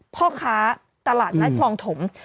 พ่อค้าตลาดแน็ตภรรณถม